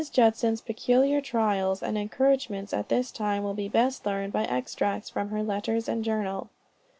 Judson's peculiar trials and encouragements at this time will be best learned by extracts from her letters and journal.